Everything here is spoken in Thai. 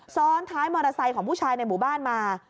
ซ้อนท้ายมอเตอร์ไซค์ของผู้ชายในหมู่บ้านมา